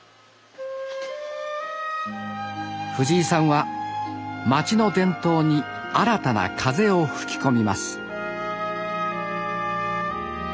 藤井さんは街の伝統に新たな風を吹き込みます。